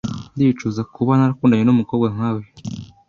Ndicuza kuba narakundanye numukobwa nka we.